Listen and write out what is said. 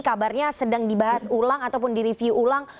kabarnya sedang dibahas ulang ataupun direview ulang